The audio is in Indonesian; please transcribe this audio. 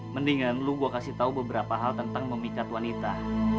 mendingan lu gue kasih tau beberapa hal tentang memikat wanita